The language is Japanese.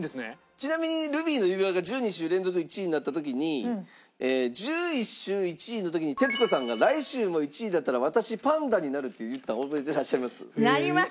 ちなみに『ルビーの指環』が１２週連続１位になった時に１１週１位の時に徹子さんが「来週も１位だったら私パンダになる」って言ったの覚えてらっしゃいます？